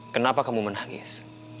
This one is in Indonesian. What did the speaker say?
kenapa kamu menangis